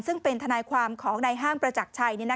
ซึ่งเป็นทนายความของนายห้างประจักรชัย